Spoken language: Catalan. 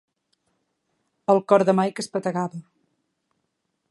El cor de Mike espetegava.